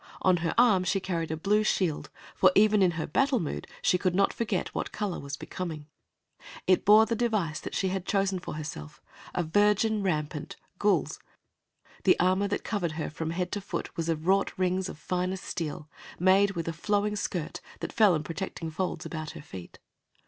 On her arm she carried a blue shield, for even in her battle mood she could not forget what color was becoming. It bore the device that she had chosen for herself, a virgin rampant, gules. The armor that covered her from head to foot was of wrought rings of finest steel, made with a flowing skirt that fell in protecting folds about her feet.